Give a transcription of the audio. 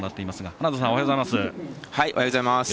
花田さん、おはようございます。